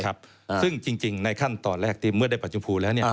ครับซึ่งจริงในขั้นตอนแรกที่เมื่อได้บัตรชมพูแล้วเนี่ย